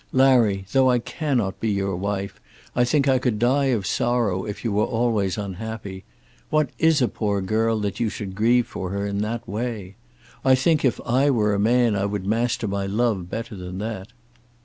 Larry, though I cannot be your wife I think I could die of sorrow if you were always unhappy. What is a poor girl that you should grieve for her in that way? I think if I were a man I would master my love better than that."